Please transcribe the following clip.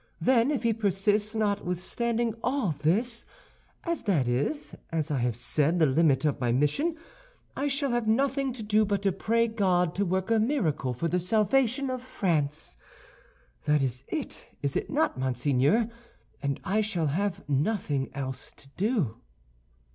Then, if he persists, notwithstanding all this—as that is, as I have said, the limit of my mission—I shall have nothing to do but to pray God to work a miracle for the salvation of France. That is it, is it not, monseigneur, and I shall have nothing else to do?"